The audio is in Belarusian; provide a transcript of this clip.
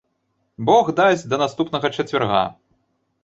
Бог дасць, да наступнага чацвярга.